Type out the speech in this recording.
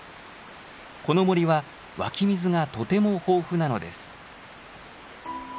この森は湧き水がとても豊富なのです。